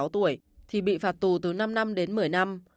thì bị phạt tù từ năm năm đến một mươi năm